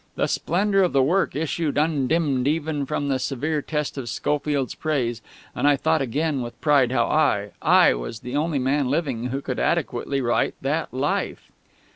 The splendour of the work issued undimmed even from the severe test of Schofield's praise; and I thought again with pride how I, I, was the only man living who could adequately write that "Life."....